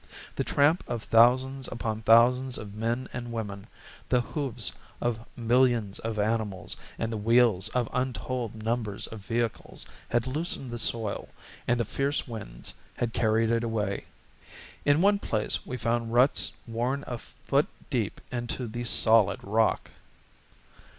The tramp of thousands upon thousands of men and women, the hoofs of millions of animals, and the wheels of untold numbers of vehicles had loosened the soil, and the fierce winds had carried it away. In one place we found ruts worn a foot deep into the solid rock.